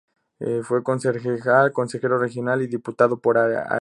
Fue concejal, consejero regional y diputado por Arica.